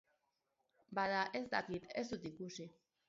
Bada, ez dakit, ez dut ikusi.